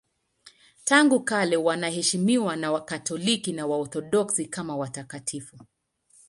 Tangu kale wanaheshimiwa na Wakatoliki na Waorthodoksi kama watakatifu.